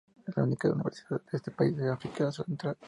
Es la única universidad de este país de África Central.